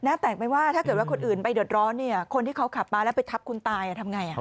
แตกไม่ว่าถ้าเกิดว่าคนอื่นไปเดือดร้อนเนี่ยคนที่เขาขับมาแล้วไปทับคุณตายทำไง